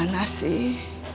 kerjaan kamu itu dimana sih